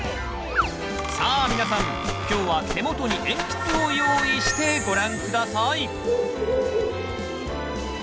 さあ皆さん今日は手元に鉛筆を用意してご覧下さい！